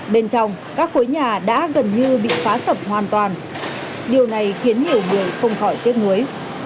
bên trong các khối nhà đã gần như bị phá sập hoàn toàn điều này khiến nhiều người không khỏi tiếc nuối